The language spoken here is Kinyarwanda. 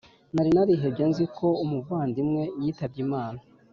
Narinarihebye nziko umuvandimwe yitabye imana